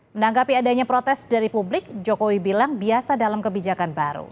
menanggapi adanya protes dari publik jokowi bilang biasa dalam kebijakan baru